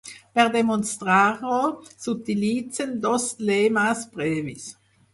Per demostrar-ho s'utilitzen dos lemes previs.